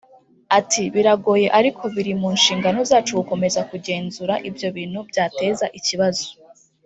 Ati “Biragoye ariko biri mu nshingano zacu gukomeza kugenzura ibyo bintu byateza ikibazo